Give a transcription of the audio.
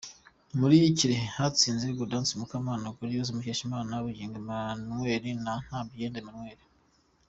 Muri Kirehe hatsinze Gaudence Mukama, Gloriose Mukeshimana, Bugingo Emmanuel na Ntabyera Emmanuel.